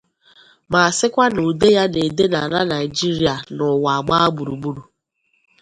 ma sịkwa na ude ya na-ede n'ala Naịjiria na ụwa gbaa gburugburu